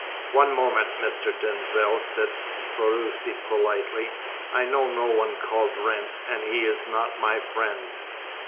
"One moment, Mr. Denzil," said Ferruci politely. "I know no one called Wrent, and he is not my friend."